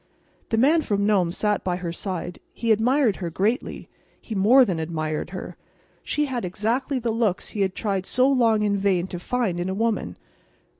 The Man from Nome sat by her side. He admired her greatly. He more than admired her. She had exactly the looks he had tried so long in vain to find in a woman.